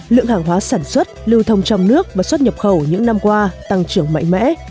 lượng hàng hóa sản xuất lưu thông trong nước và xuất nhập khẩu những năm qua tăng trưởng mạnh mẽ